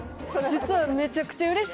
実は。